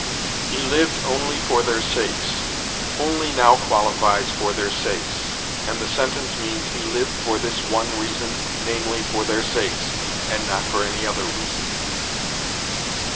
"'He lived only for their sakes.' Only now qualifies 'for their sakes,' and the sentence means he lived for this one reason, namely, for their sakes, and not for any other reason.